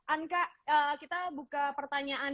anca kita buka pertanyaan